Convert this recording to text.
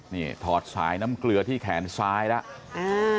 นี่ถอดสายน้ำเกลือที่แขนซ้ายแล้ว